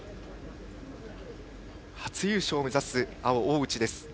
初優勝を目指す青、大内です。